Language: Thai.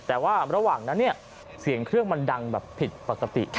แต่ว่าระหว่างนั้นเนี่ยเสียงเครื่องมันดังแบบผิดปกติ